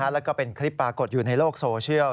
แล้วก็เป็นคลิปปรากฏอยู่ในโลกโซเชียล